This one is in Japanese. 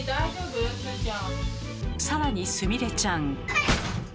さらにすみれちゃん。